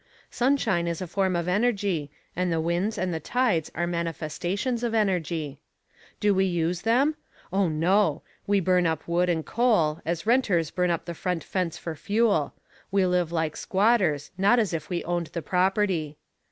Sunshine is a form of energy, and the winds and the tides are manifestations of energy." "Do we use them? Oh, no! We burn up wood and coal, as renters burn up the front fence for fuel. We live like squatters, not as if we owned the property.